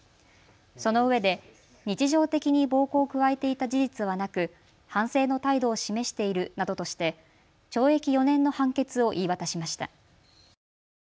そのうえで日常的に暴行を加えていた事実はなく反省の態度を示しているなどとして懲役４年の判決を言い渡しました。